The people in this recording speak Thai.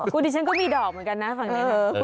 คุณดิฉันก็มีดอกเหมือนกันนะฝั่งนี้